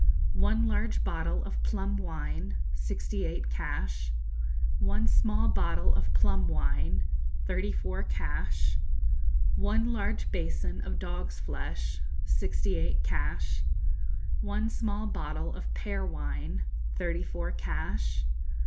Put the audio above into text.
One large bottle of plum wine sixty eight cash. One small bottle of plum wine thirty four cash. One large basin of dog's flesh sixty eight cash. One small bottle of pear wine thirty four cash.